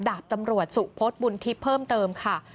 ดาบตำรวจสุพศบุญทิพย์เพิ่มเติมค่ะ